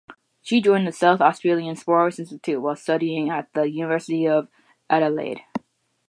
She joined the South Australian Sports Institute while studying at the University of Adelaide.